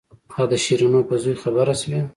ها د شيرينو په زوى خبره سوې.